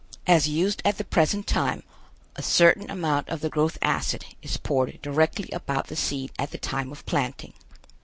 As used at the present time, a certain amount of the growth acid is poured directly about the seed at the time of planting.